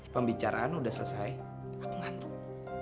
pembicaraan udah selesai aku ngantuk